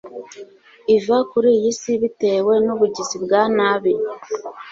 iva kuri iyi si bitewe nubugizi bwa nabi